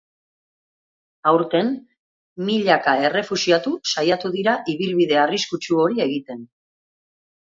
Aurten, milaka errefuxiatu saiatu dira ibilbide arriskutsu hori egiten.